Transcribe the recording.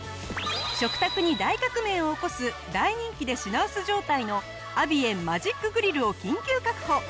食卓に大革命を起こす大人気で品薄状態のアビエンマジックグリルを緊急確保。